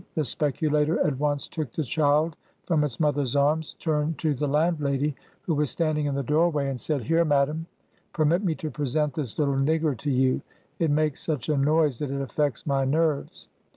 The speculator at once took the child from its mother's arms, turned to the landlady, who was standing in the doorway, and said, —" Here, madam, permit me to present this little nigger to you ; it makes such a noise that it affects my nerves."